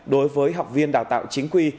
đối với học viên đào tạo chính quy